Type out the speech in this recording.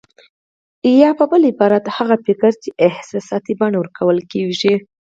يا په بل عبارت هغه فکر چې احساساتي بڼه ورکول کېږي.